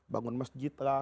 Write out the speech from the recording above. bangun masjid lah